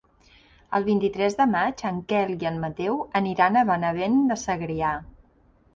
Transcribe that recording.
El vint-i-tres de maig en Quel i en Mateu aniran a Benavent de Segrià.